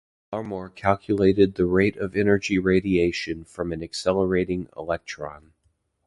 Larmor calculated the rate of energy radiation from an accelerating electron.